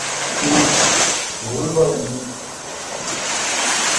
না, ভুল বলেন নি।